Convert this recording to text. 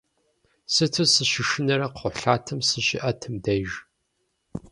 Сыту сышынэрэ кхъухьлъатэм зыщиӏэтым деж!